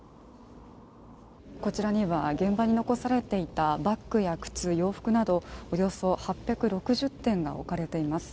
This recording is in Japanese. こちらには現場に残されていたバッグや靴、洋服などおよそ８６０点が置かれています。